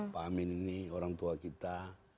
pak amin ini orang tua kita